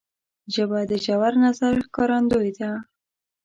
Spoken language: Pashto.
ژبه د ژور نظر ښکارندوی ده